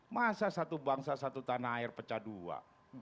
masa satu bangsa satu tanah air pecah dua